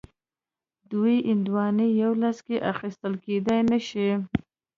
دوه هندواڼې یو لاس کې اخیستل کیدای نه شي.